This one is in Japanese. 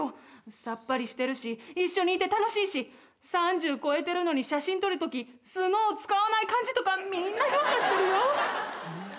さっぱりしてるし一緒にいて楽しいし３０超えてるのに写真撮る時「ＳＮＯＷ」使わない感じとかみんな評価してるよ。